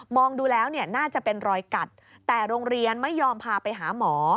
ดูแล้วเนี่ยน่าจะเป็นรอยกัดแต่โรงเรียนไม่ยอมพาไปหาหมอ